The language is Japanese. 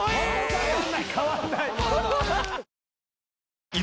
変わんない変わんない。